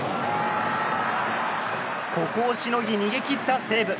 ここをしのぎ、逃げ切った西武。